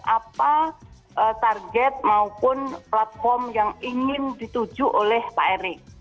apa target maupun platform yang ingin dituju oleh pak erick